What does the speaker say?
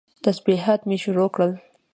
تسبيحات مې شروع کړل.